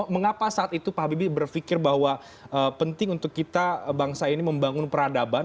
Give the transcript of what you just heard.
mengapa saat itu pak habibie berpikir bahwa penting untuk kita bangsa ini membangun peradaban